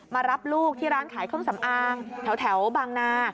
มารับลูกที่ร้านขายเครื่องสำอางแถวบางนา